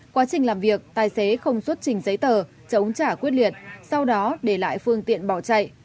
quá trình làm việc tài xế không xuất trình giấy tờ chống trả quyết liệt sau đó để lại phương tiện bỏ chạy